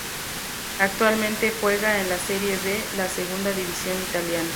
Actualmente juega en la Serie B, la segunda división italiana.